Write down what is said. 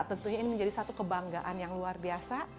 tentunya ini menjadi satu kebanggaan yang luar biasa